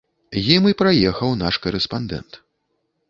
Ім і праехаў наш карэспандэнт.